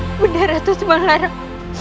ibu nda ratu subang larang